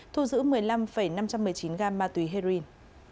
thu giữ một mươi năm năm trăm một mươi chín gam ma túy heroin